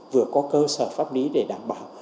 vừa có cơ sở pháp lý để đảm bảo